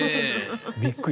びっくり。